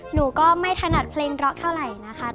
หนูก็ไม่ถนัดเพลงร็อกเท่าไหร่นะคะ